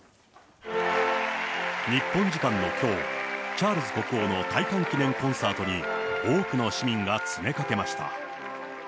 日本時間のきょう、チャールズ国王の戴冠記念コンサートに、多くの市民が詰めかけました。